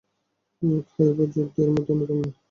খায়বার যুদ্ধ এর মধ্যে অন্যতম।